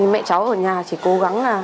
mẹ cháu ở nhà chỉ cố gắng